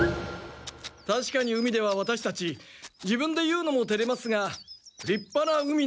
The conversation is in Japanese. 確かに海ではワタシたち自分で言うのもてれますがりっぱな海の男ですけど。